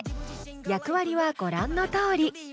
役割はご覧のとおり。